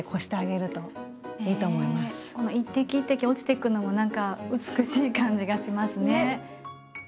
この一滴一滴落ちていくのも何か美しい感じがしますね。